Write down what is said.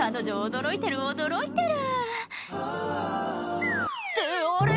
驚いてる驚いてるってあれ？